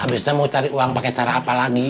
biasanya mau cari uang pakai cara apa lagi